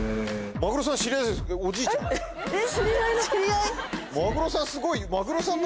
マグロさんだ！